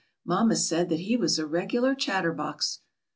Mamma said that he was a regular chatterbox.